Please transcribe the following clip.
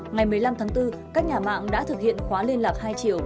ngày một mươi năm tháng bốn các nhà mạng đã thực hiện khóa liên lạc hai chiều